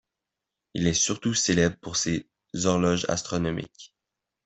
Il est surtout célèbre pour ses horloges astronomiques.